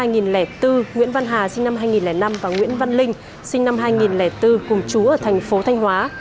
nguyễn văn hà sinh năm hai nghìn năm và nguyễn văn linh sinh năm hai nghìn bốn cùng chú ở thành phố thanh hóa